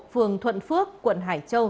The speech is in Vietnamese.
phường thuận phước quận hải châu